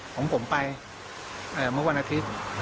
ของผมไปเมื่อวันอาทิตย์